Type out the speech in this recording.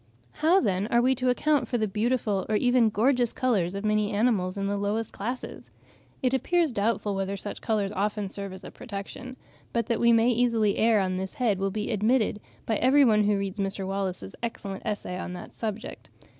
How, then, are we to account for the beautiful or even gorgeous colours of many animals in the lowest classes? It appears doubtful whether such colours often serve as a protection; but that we may easily err on this head, will be admitted by every one who reads Mr. Wallace's excellent essay on this subject.